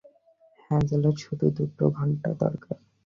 হ্যাজেলের শুধু দুটো ঘন্টা দরকার।